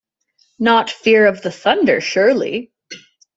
Not fear of the thunder, surely?